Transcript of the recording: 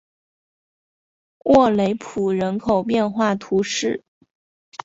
沃雷普人口变化图示